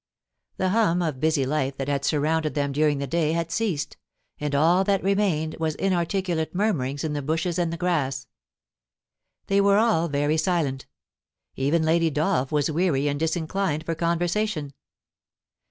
The hum of busy life that had sur rounded them during the day had ceased, all that remained were inarticulate murmurings in the bushes and the grass. They were all very silent. Even Lady Dolph was weary and disinclined for conversation.